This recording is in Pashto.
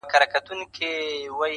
پخواني خلک په غرونو کې کرنه کوله.